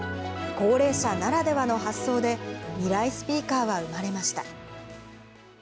高齢者ならではの発想で、ミライスピーカーは生まれました。